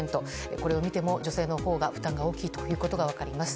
これを見ても女性のほうが負担が大きいことが分かります。